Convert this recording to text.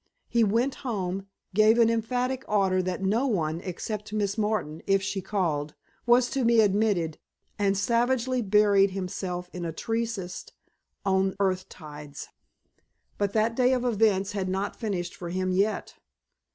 He went home, gave an emphatic order that no one, except Miss Martin, if she called, was to be admitted and savagely buried himself in a treatise on earth tides. But that day of events had not finished for him yet.